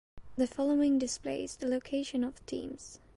The following displays the location of teams.